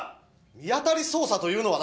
見当たり捜査というのはなあ